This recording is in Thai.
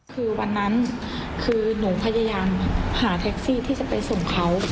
คือวันนั้นคือหนูพยายามหาแท็กซี่ที่จะไปส่งเขา